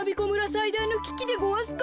さいだいのききでごわすか。